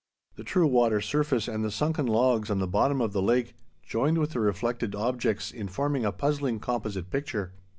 The true water surface and the sunken logs on the bottom of the lake joined with the reflected objects in forming a puzzling composite picture.